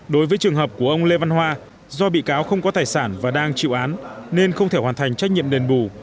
đối với trường hợp của ông lê văn hoa do bị cáo không có tài sản và đang chịu án nên không thể hoàn thành trách nhiệm đền bù